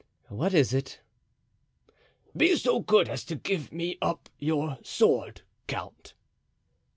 "What is it?" "Be so good as to give me up your sword, count."